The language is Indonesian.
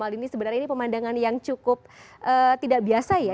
dan kami berpikir hal ini sebenarnya pemandangan yang cukup tidak biasa ya